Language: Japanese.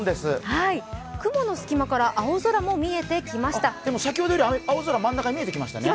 雲の隙間から青空も見えてきました。